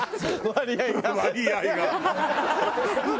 割合が。